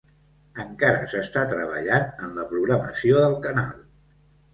Encara s'està treballant en la programació del canal